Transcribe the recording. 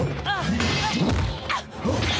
あっ！